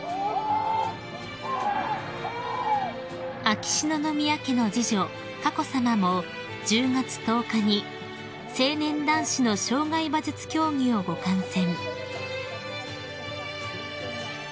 ［秋篠宮家の次女佳子さまも１０月１０日に成年男子の障害馬術競技をご観戦］